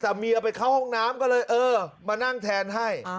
แต่เมียไปเข้าห้องน้ำก็เลยเออมานั่งแทนให้